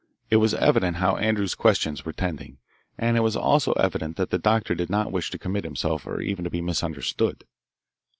It was evident how Andrews's questions were tending, and it was also evident that the doctor did not wish to commit himself or even to be misunderstood.